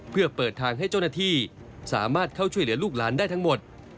เพื่อเปิดทางให้เจ้าหน้าที่สามารถเข้าช่วยเหลือลูกหลานได้ทั้งหมด